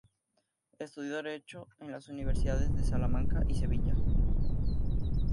Estudió Derecho en las universidades de Salamanca y Sevilla.